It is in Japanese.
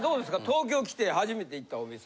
東京きて初めて行ったお店。